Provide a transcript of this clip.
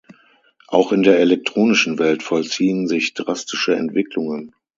Auch in der elektronischen Welt vollziehen sich drastische Entwicklungen.